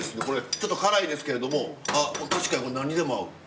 ちょっと辛いですけれども確かにこれ何にでも合う。